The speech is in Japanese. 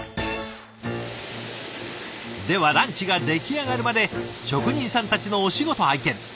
ではランチが出来上がるまで職人さんたちのお仕事拝見。